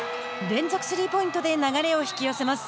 連続スリーポイントで流れを引き寄せます。